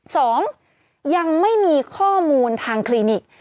สองยังไม่มีข้อมูลทางคลินิก